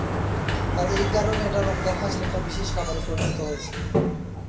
আর এই কারণে এটা রমজান মাসের একটা বিশেষ খাবারে পরিণত হয়েছে।